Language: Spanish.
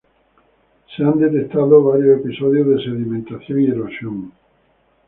Se han detectado varios episodios de sedimentación y erosión.